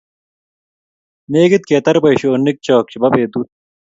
Negit ketar boisyonik chok chebo petut.